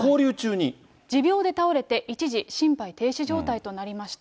持病で倒れて、一時、心肺停止状態となりました。